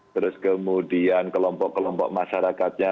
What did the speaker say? terus kemudian kelompok kelompok masyarakatnya